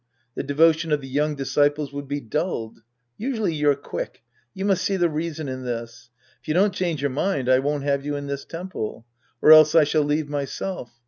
The devotion of the young disciples would be dulled. Usually you're quick. ' You must see the reason in this. If you don't change your mind, I won't have you in this temple. Or else, I shall leave myself.